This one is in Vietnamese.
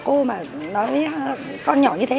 cô giáo không đánh nhá